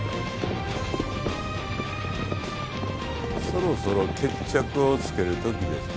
そろそろ決着をつける時ですな。